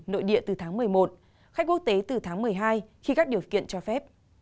nội địa từ tháng một mươi một khách quốc tế từ tháng một mươi hai khi các điều kiện cho phép